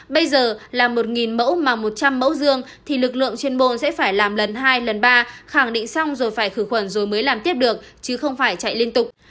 bây giờ làm một mẫu mà một trăm linh mẫu dương thì lực lượng chuyên môn sẽ phải làm lần hai lần ba khẳng định xong rồi phải khử khuẩn rồi mới làm tiếp được chứ không phải chạy liên tục